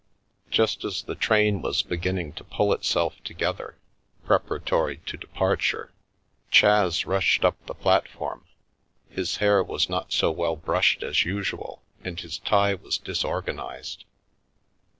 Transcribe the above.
Just as the train was beginning to pull itself together, preparatory to departure, Chas rushed up the platform. His hair was not so well brushed as usual, and his tie was disorganised.